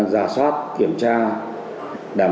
rất thân thiện